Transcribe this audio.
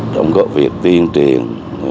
trong việc tiên triền